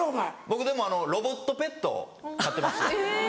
僕でもロボットペットを飼ってまして。